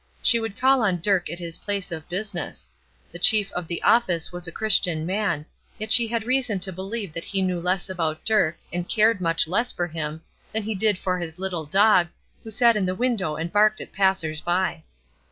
She would call on Dirk at his place of business. The chief of the office was a Christian man; yet she had reason to believe that he knew less about Dirk, and cared much less for him, than he did for his little dog, who sat in the window and barked at passers by.